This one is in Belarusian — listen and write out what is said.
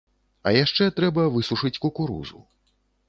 А яшчэ трэба высушыць кукурузу.